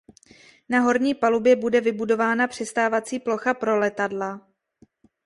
Na horní palubě bude vybudována přistávací plocha pro letadla.